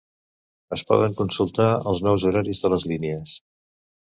Es poden consultar els nous horaris de les línies.